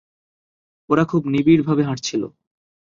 ওরা খুব নিবিড় ভাবে হাঁটছিল।